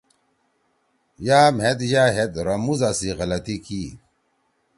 یا مھید یا ہید رموزا سی غلطی کی۔